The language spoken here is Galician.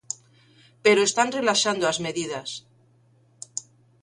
Pero están relaxando as medidas.